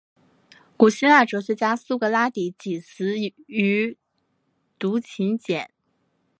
古希腊哲学家苏格拉底即死于毒芹碱。